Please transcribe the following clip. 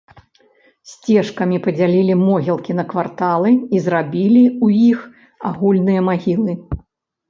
Сцежкамі падзялілі могілкі на кварталы і зрабілі ў іх агульныя магілы.